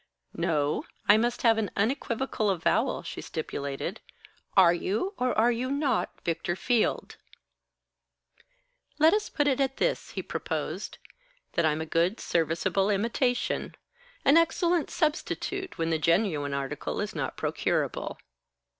"No; I must have an unequivocal avowal," she stipulated. "Are you or are you not Victor Field?" "Let us put it at this," he proposed, "that I'm a good serviceable imitation; an excellent substitute when the genuine article is not procurable."